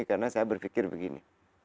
karena saya berpikir begini